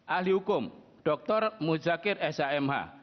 ahli agama prof dr muzakir s a m h